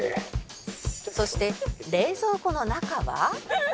「そして冷蔵庫の中は」